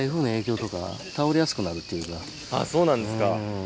あっそうなんですか。